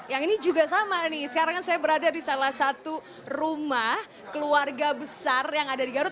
yang ini juga sama nih sekarang saya berada di salah satu rumah keluarga besar yang ada di garut